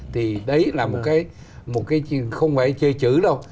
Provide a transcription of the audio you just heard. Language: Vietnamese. thì đấy là một cái không phải che chữ đâu